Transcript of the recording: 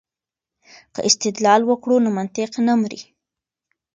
که استدلال وکړو نو منطق نه مري.